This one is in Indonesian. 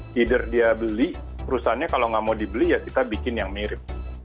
feeder dia beli perusahaannya kalau nggak mau dibeli ya kita bikin yang mirip